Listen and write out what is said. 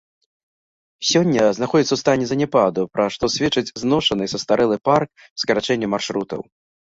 Сёння знаходзіцца ў стане заняпаду, пра што сведчаць зношаны і састарэлы парк, скарачэнне маршрутаў.